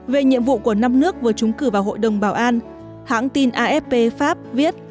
về nhiệm vụ của năm nước vừa trúng cử vào hội đồng bảo an hãng tin afp pháp viết